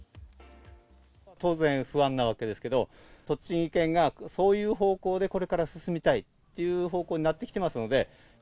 当然、不安なわけですけど、栃木県がそういう方向でこれから進みたいっていう方向になってきてますので。